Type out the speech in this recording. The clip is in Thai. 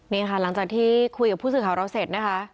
นี่ค่ะหลังจากที่คุยกับผู้สื่อข่าวเราเสร็จนะคะ